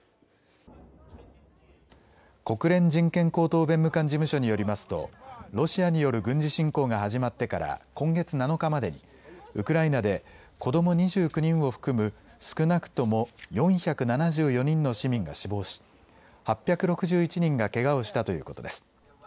国連人権高等弁務官事務所によりますとロシアによる軍事侵攻が始まってから今月７日までウクライナで子ども２９人を含む少なくとも４７４人の市民が死亡し８６１人がけがをしたということです。